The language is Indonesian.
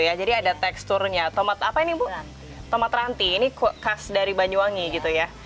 ya jadi ada teksturnya tomat apa ini bu tomat ranti ini khas dari banyuwangi gitu ya